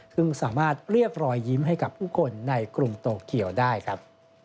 ซึ่งสามารถเรียกรอยยิ้มให้กับผู้คนในกรุงโตเกียวได้ครับ